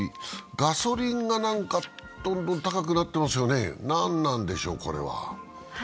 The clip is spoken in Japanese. ガソリンがどんどん高くなってますよね、何なんでしょう、これは。